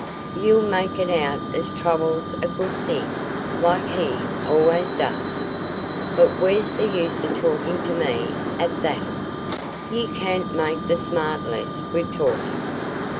"Ye'll make it out as trouble's a good thing, like he allays does. But where's the use o' talkin' to me a that'n? Ye canna make the smart less wi' talkin'.